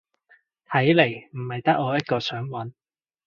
睇嚟唔係得我一個想搵